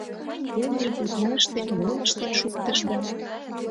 Кум ий гутлаште мом ыштен шуктышда?